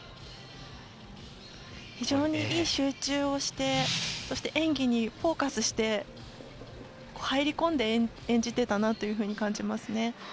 非常にいい集中をしてそして、演技にフォーカスして入り込んで演じてたなというふうに感じますね。